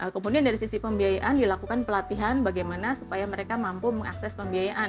kemudian dari sisi pembiayaan dilakukan pelatihan bagaimana supaya mereka mampu mengakses pembiayaan